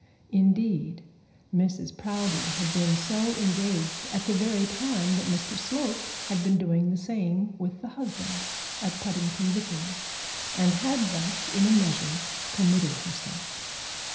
Indeed Mrs Proudie had been so engaged at the very time that Mr Slope had been doing the same with her husband at Puddingdale Vicarage, and had thus in a measure committed herself.